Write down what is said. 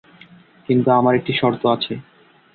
কিন্তু আমার একটি শর্ত আছে।